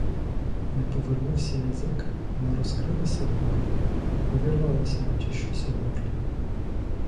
Не повернувся язик, не розкрилися губи, увірвалося наче щось у горлі.